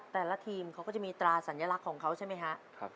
แต่ละทีมเขาก็จะมีตราสัญลักษณ์ของเขาใช่ไหมครับ